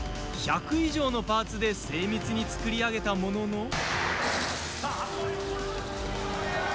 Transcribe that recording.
１００以上のパーツで精密に作り上げたものの。